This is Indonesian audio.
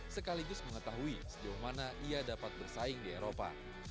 sekaligus mengetahui sejauh mana ia dapat bersaing di eropa